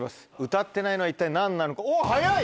歌ってないのは一体何なのかおぉ早い！